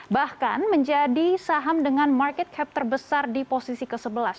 bahkan menjadi saham dengan market cap terbesar di posisi ke sebelas